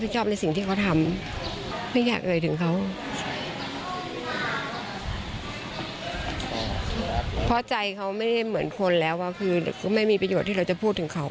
เพราะใจเขาไม่ได้เหมือนคนแล้วคือก็ไม่มีประโยชน์ที่เราจะพูดถึงเขา